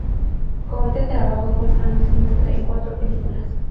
Conte trabajó con Frank Sinatra en cuatro películas.